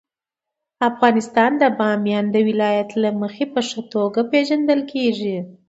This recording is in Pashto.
افغانستان د بامیان د ولایت له مخې په ښه توګه پېژندل کېږي.